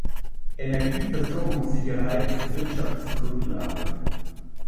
Energieversorgungssicherheit ist Wirtschaftsgrundlage.